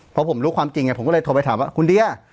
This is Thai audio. พอผมรู้ความจริงผมก็เลยโทรไปถามว่าคุณเดีย